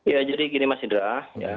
ya jadi gini mas indra